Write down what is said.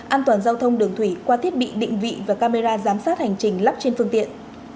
an toàn giao thông đường thủy qua thiết bị định vị và camera giám sát hành trình lắp trên phương tiện